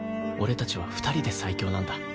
俺たちは２人で最強なんだ。